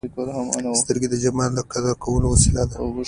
سترګې د جمال د قدر کولو وسیله ده